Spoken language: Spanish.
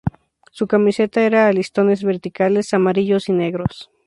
Su camiseta era a listones verticales, amarillos y negros.